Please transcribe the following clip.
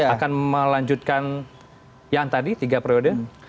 akan melanjutkan yang tadi tiga periode